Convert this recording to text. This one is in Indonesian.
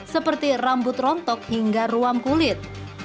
seperti rambut rontok hingga ruam kulit